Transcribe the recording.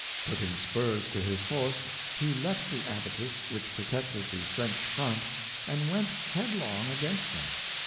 Putting spurs to his horse, he leaped the abattis which protected the French front, and went headlong against them.